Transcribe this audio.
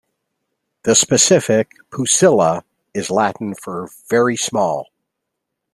The specific "pusilla" is Latin for "very small".